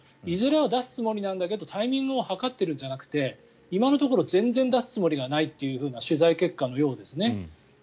いずれは出すつもりなんだけどタイミングを計ってるんじゃなくて今のところ全然出すつもりがないというような取材結果のようですね。